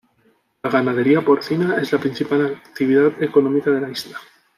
La ganadería porcina es la principal actividad económica de la isla.